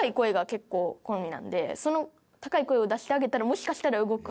その高い声を出してあげたらもしかしたら動くかもしれない。